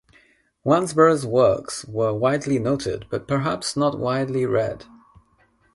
Wansbrough's works were widely noted, but perhaps not widely read.